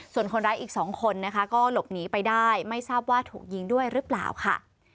ส่วนคนร้ายอีก๒คนนะคะก็หลบหนีไปได้ไม่ทราบว่าถูกยิงด้วยหรือเปล่าค่ะ